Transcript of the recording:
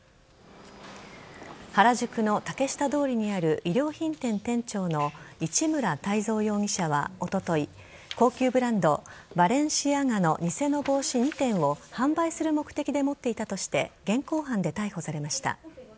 原宿の竹下通りにある衣料品店店長の市村泰三容疑者は、おととい高級ブランド・バレンシアガの偽の帽子２点を販売する目的で持っていたとして現行犯で逮捕されました。